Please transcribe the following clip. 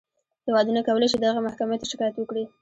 هېوادونه کولی شي دغې محکمې ته شکایت وکړي.